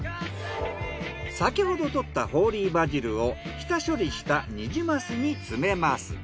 先ほど採ったホーリーバジルを下処理したニジマスに詰めます。